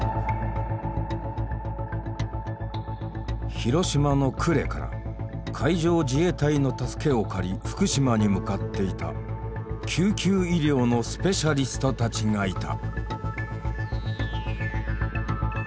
広島の呉から海上自衛隊の助けを借り福島に向かっていた救急医療のスペシャリストたちがいた。